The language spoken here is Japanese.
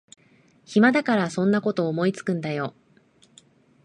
暇だからそんなこと思いつくんだよ